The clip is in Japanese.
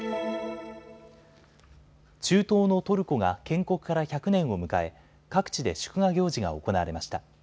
中東のトルコが建国から１００年を迎え各地で祝賀行事が行われました。